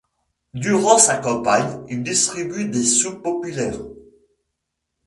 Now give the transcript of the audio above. Durant sa campagne, il distribue des soupes populaires.